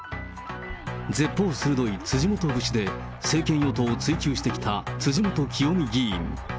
舌鋒鋭い辻元節で政権与党を追及してきた辻元清美議員。